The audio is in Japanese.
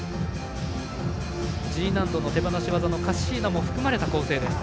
Ｇ難度の手放し技のカッシーナも含まれた構成です。